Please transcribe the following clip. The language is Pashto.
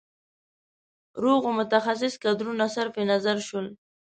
روغو متخصص کدرونه صرف نظر شول.